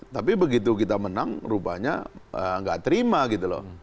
tapi begitu kita menang rupanya nggak terima gitu loh